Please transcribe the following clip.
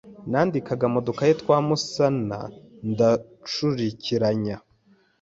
nandikaga mu dukaye twa Musana ngacurikiranya